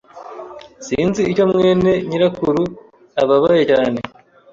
Sinzi icyo mwene nyirakuru ababaye cyane.